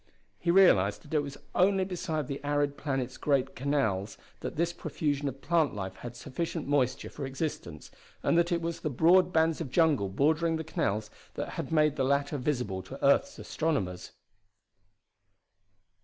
He realized that it was only beside the arid planet's great canals that this profusion of plant life had sufficient moisture for existence, and that it was the broad bands of jungle bordering the canals that had made the latter visible to earth's astronomers.